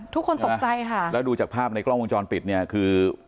ทุกคนตกใจค่ะแล้วดูจากภาพในกล้องวงจรปิดเนี่ยคือ